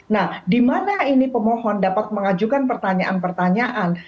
nah di mana ini pemohon dapat mengajukan pertanyaan pertanyaan